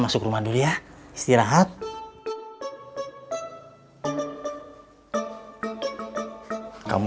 boleh boleh saya selamatkanmu